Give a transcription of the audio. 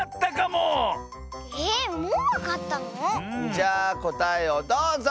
じゃあこたえをどうぞ！